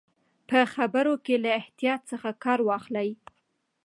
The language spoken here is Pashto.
په خبرو کې له احتیاط څخه کار واخلئ.